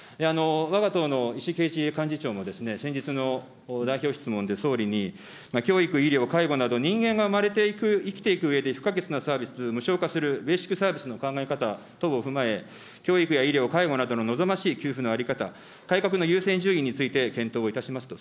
わが党の石井啓一幹事長も先日の代表質問で、総理に教育、医療、介護など、人間が生まれて生きていくうえで不可欠なサービス、無償化する、ベーシックなサービスの考え方等を踏まえ、教育や医療、介護などの望ましい給付の在り方、改革の優先順位について検討をいたしますと。